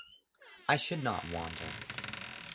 I should not wonder.